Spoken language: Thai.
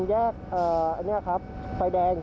รายเด่งไข่แดงเอก